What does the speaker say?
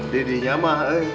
didinya mah eh